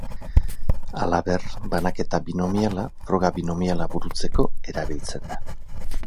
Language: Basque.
Halaber, banaketa binomiala froga binomiala burutzeko erabiltzen da.